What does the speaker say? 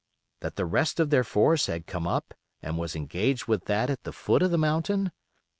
That the rest of their force had come up and was engaged with that at the foot of the mountain?